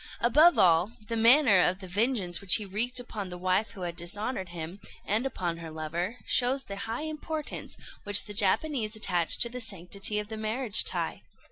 Above all, the manner of the vengeance which he wreaked upon the wife who had dishonoured him, and upon her lover, shows the high importance which the Japanese attach to the sanctity of the marriage tie.